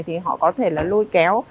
thì họ có thể là lôi kéo